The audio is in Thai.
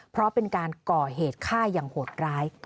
เพราะเป็นการก่อเหตุฆ่าอย่างโหดร้าย